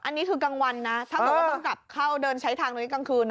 อย่างนี้ก็้งวันนะพ่อก็ต้องกลับเข้าเดินใช้ทางนี้กลางคืน